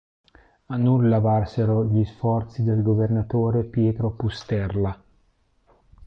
A nulla valsero gli sforzi del governatore Pietro Pusterla.